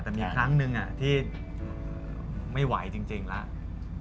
แต่มีครั้งหนึ่งที่ไม่ไหวจริงแล้ว